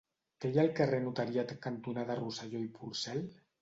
Què hi ha al carrer Notariat cantonada Rosselló i Porcel?